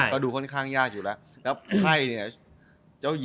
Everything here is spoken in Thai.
ก็ดูค่อนข้างยากอยู่แล้ว